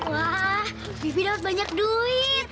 wah vivi dapat banyak duit